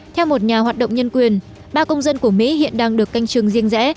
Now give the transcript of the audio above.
theo một nhà hoạt động nhân quyền ba công dân của mỹ hiện đang được canh trường riêng rẽ